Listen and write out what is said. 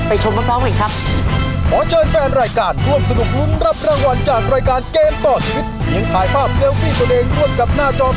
ไปชมพร้อมให้ครับ